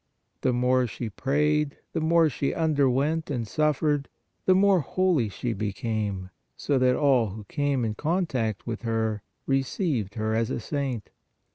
The more she prayed, the more she underwent and suffered, the more holy she became, so that all who came in contact with her, revered her as a saint.